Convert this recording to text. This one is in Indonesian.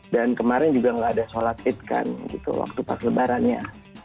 dan kemarin juga nggak ada sholat id kan waktu pas lebarannya